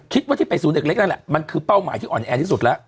คิดว่าที่ไปศูนย์เด็กเล็กนั่นแหละมันคือเป้าหมายที่อ่อนแอที่สุดแล้ว